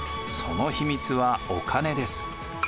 その秘密はお金です。